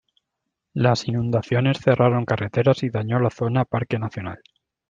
Las inundaciones cerraron carreteras y dañó la zona Parque nacional.